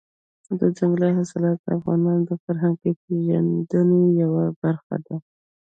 دځنګل حاصلات د افغانانو د فرهنګي پیژندنې یوه برخه ده.